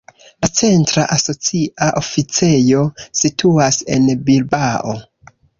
La centra asocia oficejo situas en Bilbao.